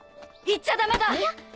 行っちゃダメだ！